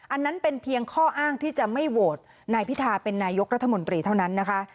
อันนั้นเป็นเพียงข้ออ้างที่จะไม่โหวตนายพิธาเป็นนายกรัฐมนตรีเท่านั้นนะคะ